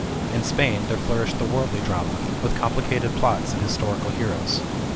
In Spain there flourished the worldly drama, with complicated plots and historical heroes.